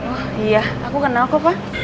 oh iya aku kenal kok pak